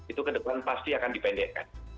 itu kedepan pasti akan dipindahkan